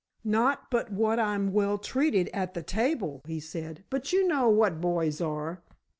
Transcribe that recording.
"Not but what I'm well treated at the table," he said, "but, you know what boys are."